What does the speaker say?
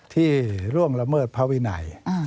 ที่ร่วมละเมิดพระวินัย